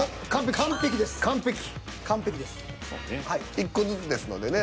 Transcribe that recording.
１個ずつですのでね